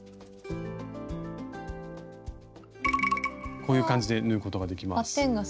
こういう感じで縫うことができます。